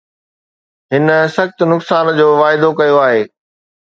هن سخت نقصان جو واعدو ڪيو آهي